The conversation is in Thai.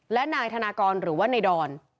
และนายธนากรหรือว่านายดอน